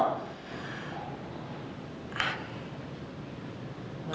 mama ini sampai kena fitnah loh